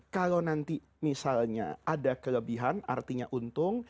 kalau nanti misalnya ada kelebihan artinya untung